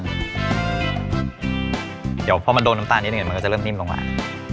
เดี๋ยวพอมันโดนน้ำตาลนิดหนึ่งมันก็จะเริ่มนิ่มลงมา